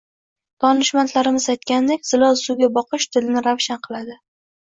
Donishmandlarimiz aytganidek, zilol suvga boqish dilni ravshan qiladi